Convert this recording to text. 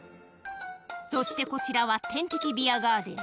そしてこちらは点滴ビアガーデン